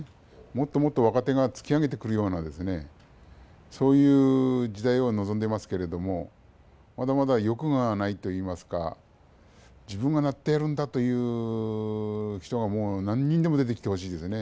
もっともっと若手が突き上げてくるようなそういう時代を望んでますけれどもまだまだ欲がないといいますか自分がなってやるんだという人が何人でも出てきてほしいですね。